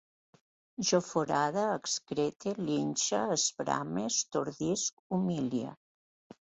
Jo forade, excrete, linxe, esbrame, estordisc, humilie